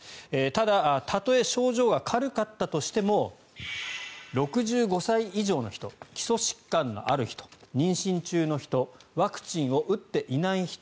ただたとえ症状が軽かったとしても６５歳以上の人基礎疾患のある人妊娠中の人ワクチンを打っていない人。